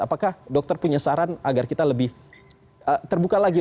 apakah dokter punya saran agar kita lebih terbuka lagi